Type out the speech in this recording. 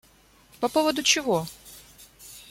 По поводу чего?